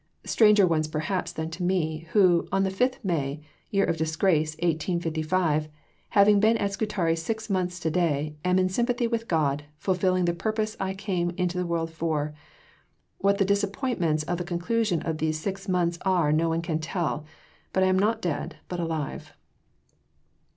Stranger ones perhaps than to me, who, on the 5th May, year of disgrace 1855, having been at Scutari six months to day, am in sympathy with God, fulfilling the purpose I came into the world for. What the disappointments of the conclusion of these six months are no one can tell. But I am not dead, but alive."